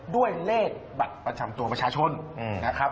ด้วยเลขบัตรประจำตัวประชาชนนะครับ